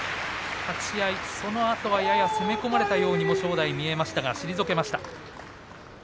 立ち合い、そのあとはやや攻め込まれたようにも正代、見えましたが退けました。